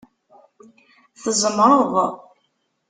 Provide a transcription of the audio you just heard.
Tzemreḍ.